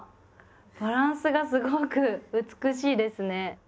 バランスがすごく美しいですね。